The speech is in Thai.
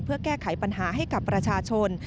เพื่อแก้ไขปัญหาให้กับประชาชน